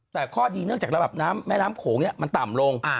แต่ข้อดีเนื่องจากระดับน้ำแม่น้ำโขงเนี่ยมันต่ำลง